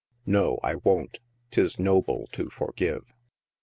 No I wont ; 'tis noble to forgive.